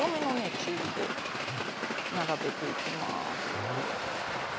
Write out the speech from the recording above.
中火で並べていきます。